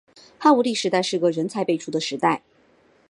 汉武帝时代是个人才辈出的时代。